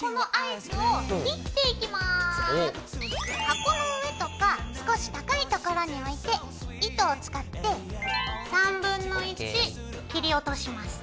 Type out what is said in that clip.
箱の上とか少し高い所に置いて糸を使って1/3切り落とします。